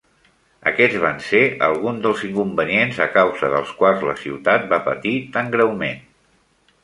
Aquests van ser alguns dels inconvenients a causa dels quals la ciutat va patir tan greument.